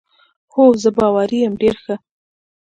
هو، زه باوري یم، ډېر ښه.